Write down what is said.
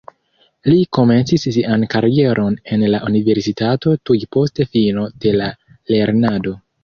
Li komencis sian karieron en la universitato tuj post fino de la lernado.